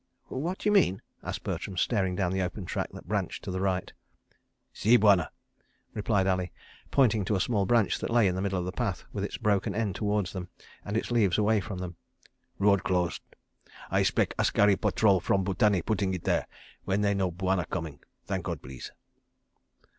"What d'you mean?" asked Bertram, staring down the open track that branched to the right. "See, Bwana," replied Ali, pointing to a small branch that lay in the middle of the path, with its broken end towards them and its leaves away from them. "Road closed. I 'spec askari patrol from Butani putting it there, when they know Bwana coming, thank God, please."